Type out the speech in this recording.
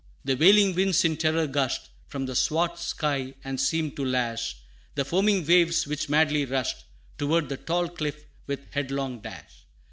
The wailing winds in terror gushed From the swart sky, and seemed to lash The foaming waves, which madly rushed Toward the tall cliff with headlong dash.